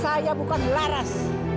saya bukan laras